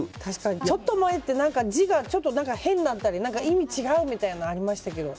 ちょっと前って字がちょっと変になったり意味が違うみたいなのがありましたけど。